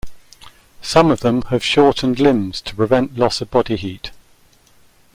Some of them have shortened limbs to prevent loss of body heat.